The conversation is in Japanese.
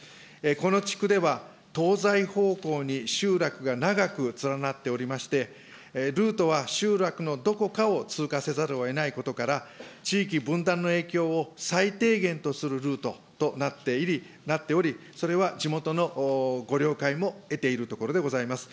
この地区では、東西方向に集落が長く連なっておりまして、ルートは集落のどこかを通過せざるをえないことから、地域分断の影響を最低限とするルートとなっており、それは地元のご了解も得ているところでございます。